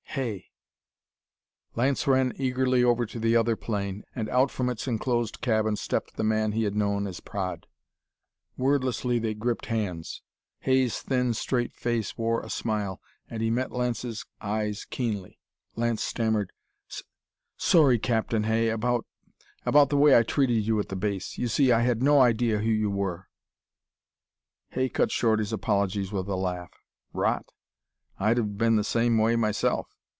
Hay! Lance ran eagerly over to the other plane, and out from its enclosed cabin stepped the man he had known as Praed. Wordlessly, they gripped hands. Hay's thin, straight face wore a smile, and he met Lance's eyes keenly. Lance stammered: "S sorry, Captain Hay, about about the way I treated you at the base. You see, I had no idea who you were." Hay cut short his apologies with a laugh. "Rot! I'd've been the same way myself."